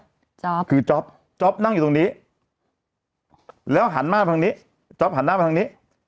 จ๊อปคือจ๊อปจ๊อปนั่งอยู่ตรงนี้แล้วหันมาทางนี้จ๊อปหันหน้ามาทางนี้